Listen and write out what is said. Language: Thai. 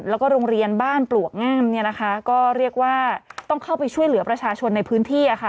แล้วก็โรงเรียนบ้านปลวกงามเนี่ยนะคะก็เรียกว่าต้องเข้าไปช่วยเหลือประชาชนในพื้นที่อ่ะค่ะ